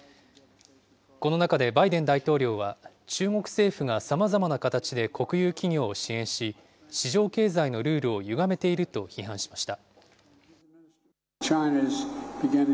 この中でバイデン大統領は、中国政府がさまざまな形で国有企業を支援し、市場経済のルールをゆがめていると批判しました。